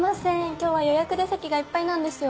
今日は予約で席がいっぱいなんですよ。